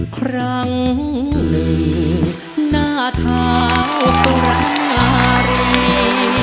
ครั้งหนึ่งหน้าเท้าสุรารี